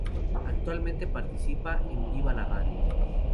Actualmente participa en "¡Viva la Radio!